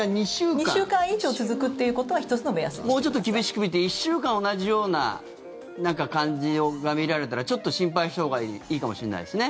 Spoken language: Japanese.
２週間以上続くということはもうちょっと厳しく見て１週間同じような感じが見られたらちょっと心配したほうがいいかもしれないですね。